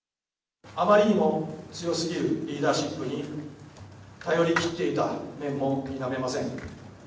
あまりにも強すぎるリーダーシップに頼り切っていた面も否めません。